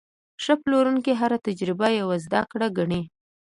ښه پلورونکی هره تجربه یوه زده کړه ګڼي.